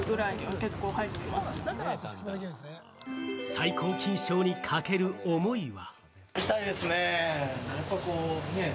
最高金賞にかける思いは。